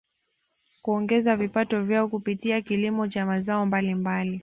Kuongeza vipato vyao kupitia kilimo cha mazao mbalimbali